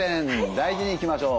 大事にいきましょう。